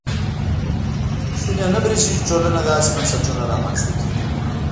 شونې نه برېښي چې ټولنه داسې بنسټونه رامنځته کړي.